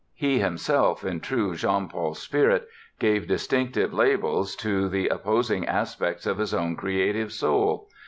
He himself, in true Jean Paul spirit, gave distinctive labels to the opposing aspects of his own creative soul.